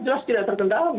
jelas tidak terkendali